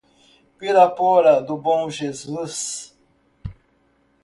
Pirapora do Bom Jesus